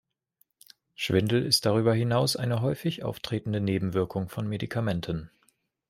Schwindel ist darüber hinaus eine häufig auftretende Nebenwirkung von Medikamenten.